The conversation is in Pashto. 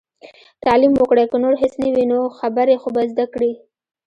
تعليم وکړئ! که نور هيڅ نه وي نو، خبرې خو به زده کړي.